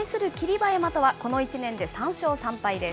馬山とは、この１年で３勝３敗です。